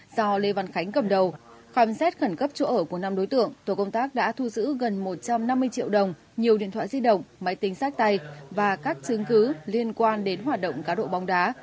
do lê văn khánh cầm đầu khám xét khẩn cấp chỗ ở của năm đối tượng tổ công tác đã thu giữ gần một trăm năm mươi triệu đồng nhiều điện thoại di động máy tính sách tay và các chứng cứ liên quan đến hoạt động cá độ bóng đá